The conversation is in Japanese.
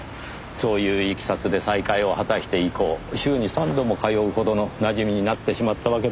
そういういきさつで再会を果たして以降週に３度も通うほどのなじみになってしまったわけですか。